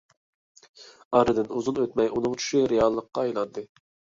ئارىدىن ئۇزۇن ئۆتمەي ئۇنىڭ چۈشى رېئاللىققا ئايلاندى.